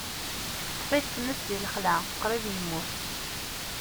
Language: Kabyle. Teṭṭef-it tmes deg lexla, qrib yemmut.